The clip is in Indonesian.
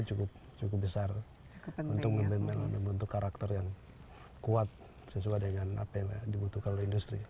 di aspek soft skill ini cukup besar untuk memiliki karakter yang kuat sesuai dengan apa yang dibutuhkan oleh industri